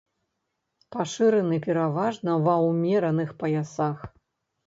Пашыраны пераважна ва ўмераных паясах.